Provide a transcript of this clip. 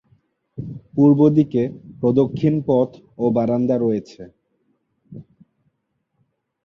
পূর্বদিকে প্রদক্ষিণ পথ ও বারান্দা রয়েছে।